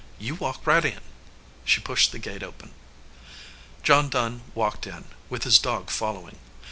You walk right in." She pushed the gate open. John Dunn walked in, with his dog following.